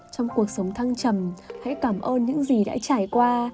trong cuộc sống thăng trầm hãy cảm ơn những gì đã trải qua